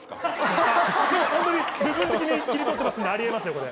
部分的に切り取ってますんであり得ますよこれ。